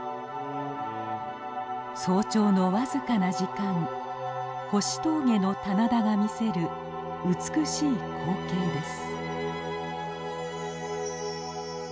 早朝のわずかな時間星峠の棚田が見せる美しい光景です。